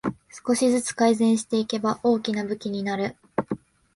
少しずつ改善していけば大きな武器になる